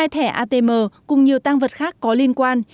một mươi hai thẻ atm cùng nhiều tang vật khác có liên quan